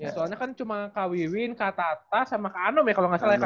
soalnya kan cuma kak wiwin kak tata sama kak anom ya kalau nggak salah ya